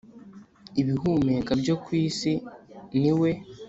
ibihumeka byo ku isi ni we